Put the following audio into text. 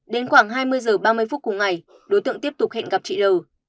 đến khoảng hai mươi h ba mươi phút của ngày đối tượng tiếp tục hẹn gặp chị l